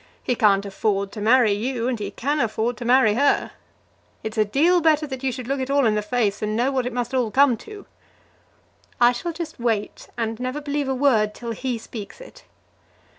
He can't afford to marry you, and he can afford to marry her. It's a deal better that you should look it all in the face and know what it must all come to." "I shall just wait, and never believe a word till he speaks it."